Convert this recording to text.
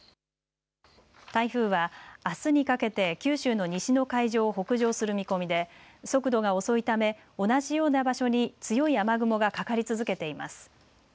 台風はあすにかけて九州の西の海上を北上する見込みで速度が遅いため同じような場所に強い雨雲がかかり続けています。